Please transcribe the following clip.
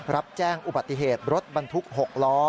รับแจ้งอุบัติเหตุรถบรรทุก๖ล้อ